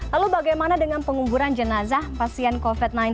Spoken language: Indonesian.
lalu bagaimana dengan penguburan jenazah pasien covid sembilan belas